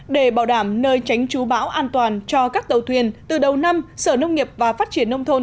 để bảo đảm nơi tránh trú bão an toàn cho các tàu thuyền từ đầu năm sở nông nghiệp và phát triển nông thôn